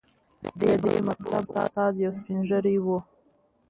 د دې مکتب استاد یو سپین ږیری و.